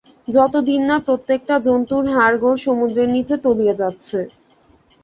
যতদিন না প্রত্যেকটা জন্তুর হাড়-গোড় সমুদ্রের নিচে তলিয়ে যাচ্ছে!